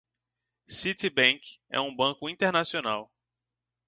Citibank é um banco internacional.